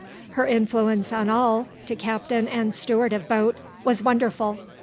Her influence on all (to captain and steward of boat) was wonderful.